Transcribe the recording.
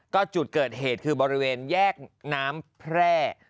ก็จุดเกิดเหตุคือบริเวณแยกน้ำแพร่